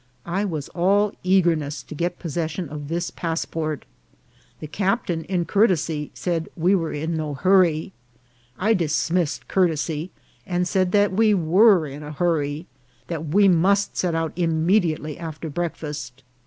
I was all eagerness to get possession of this passport. The captain, in courtesy, said we were in no hurry. I dismissed courtesy, and said that we were in a hurry ; that we must set out immediately after breakfast.